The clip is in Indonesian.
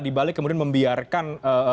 dibalik kemudian membiarkan